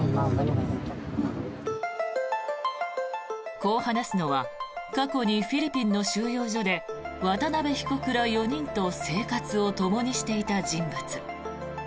こう話すのは過去にフィリピンの収容所で渡邉被告ら４人と生活をともにしていた人物。